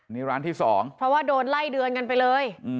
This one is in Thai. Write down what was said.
นี่ร้านที่๒เพราะว่าโดนไล่เดือนกันไปเลย